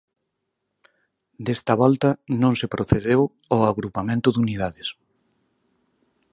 Desta volta, non se procedeu ao agrupamento de unidades.